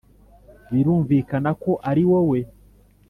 birumvikana ko ari wowe.